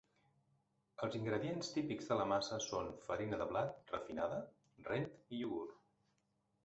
Els ingredients típics de la massa són farina de blat refinada, rent i iogurt.